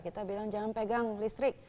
kita bilang jangan pegang listrik